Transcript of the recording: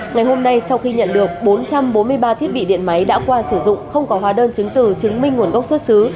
ngày hôm nay sau khi nhận được bốn trăm bốn mươi ba thiết bị điện máy đã qua sử dụng không có hóa đơn chứng từ chứng minh nguồn gốc xuất xứ